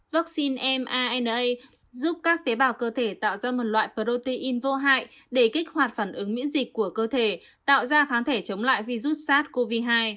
vaccine mana giúp các tế bào cơ thể tạo ra một loại protein vô hại để kích hoạt phản ứng miễn dịch của cơ thể tạo ra kháng thể chống lại virus sars cov hai